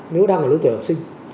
nếu đang ở lưới tuổi học sinh